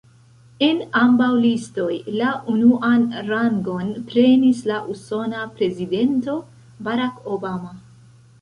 En ambaŭ listoj, la unuan rangon prenis la usona prezidento, Barack Obama.